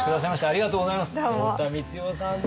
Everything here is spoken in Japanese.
ありがとうございます今日は。